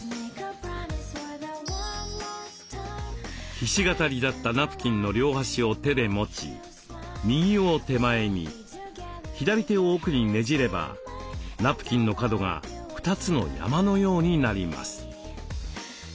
ひし形になったナプキンの両端を手で持ち右を手前に左手を奥にねじればナプキンの角が２つの山のようになります。